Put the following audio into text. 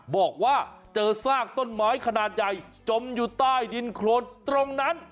บอกว่าเจอซากต้นไม้ขนาดใหญ่จมอยู่ใต้ดินโครนตรงนั้น